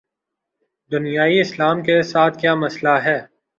دنیائے اسلام کے ساتھ کیا مسئلہ ہے؟